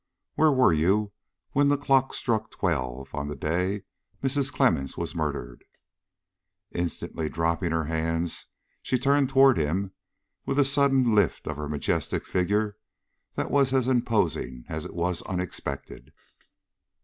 "Where were you when the clock struck twelve on the day Mrs. Clemmens was murdered?" Instantly dropping her hands, she turned toward him with a sudden lift of her majestic figure that was as imposing as it was unexpected.